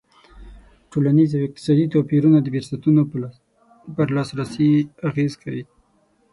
ټولنیز او اقتصادي توپیرونه د فرصتونو پر لاسرسی اغېز کوي.